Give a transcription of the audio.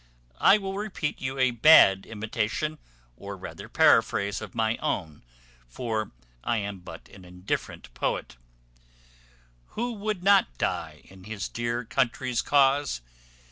"I will repeat you a bad imitation, or rather paraphrase, of my own," said Jones; "for I am but an indifferent poet: `Who would not die in his dear country's cause?